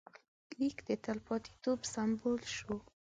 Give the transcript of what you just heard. لیک د تلپاتېتوب سمبول شو.